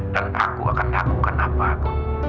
dan aku akan lakukan apa aku